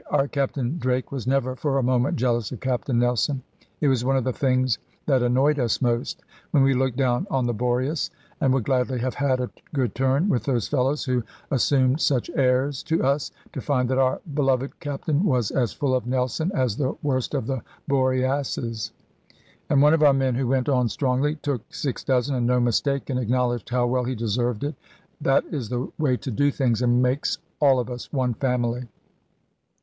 Our Captain Drake was never for a moment jealous of Captain Nelson. It was one of the things that annoyed us most, when we looked down on the Boreas, and would gladly have had a good turn with those fellows who assumed such airs to us, to find that our beloved Captain was as full of Nelson as the worst of the Boreasses. And one of our men who went on strongly, took six dozen, and no mistake, and acknowledged how well he deserved it. That is the way to do things, and makes all of us one family.